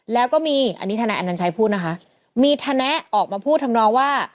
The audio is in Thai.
แล้วก็มีอันนี้ทนายอนัญชัยพูดนะคะมีทะแนะออกมาพูดทำนองว่า